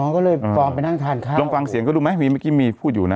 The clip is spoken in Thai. ก็เลยฟอร์มไปนั่งทานข้าวลองฟังเสียงก็ดูไหมมีเมื่อกี้มีพูดอยู่นะ